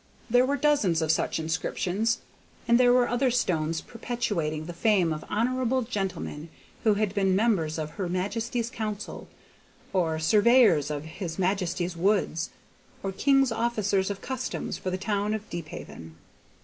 There were dozens of such inscriptions, and there were other stones perpetuating the fame of Honourable gentlemen who had been members of His Majesty's Council, or surveyors of His Majesty's Woods, or King's Officers of Customs for the town of Deephaven.